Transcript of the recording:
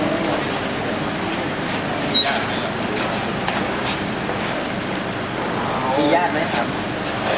มีญาติไหมครับ